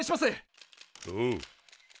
おう。